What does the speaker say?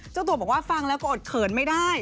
เจ้าตัวบอกว่าฟังแล้วก็อดเขินไม่ได้